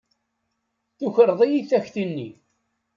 Tukreḍ-iyi takti-nni.